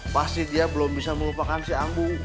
pasti dia belum bisa melupakan si ambung